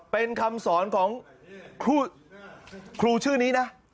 เป็นคำสอนของครูชื่อนี้นะ